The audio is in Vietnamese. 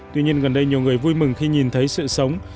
tuy nhiên gần đây nhiều người vui mừng khi nhìn thấy sự sống